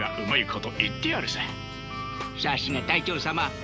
さすが隊長様